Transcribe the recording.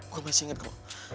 gua masih ingat kamu